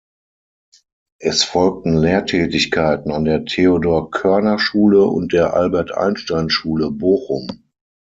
Es folgten Lehrtätigkeiten an der Theodor-Körner-Schule und der Albert-Einstein-Schule Bochum.